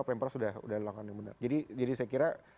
pemprov sudah lakukan yang benar jadi saya kira